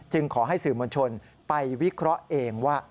ขอให้สื่อมวลชนไปวิเคราะห์เองว่า